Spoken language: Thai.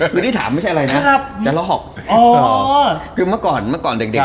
คือที่ถามไม่ใช่อะไรนะครับจะลอกคือเมื่อก่อนเมื่อก่อนเด็กเด็ก